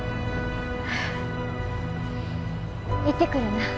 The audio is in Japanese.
行ってくるな。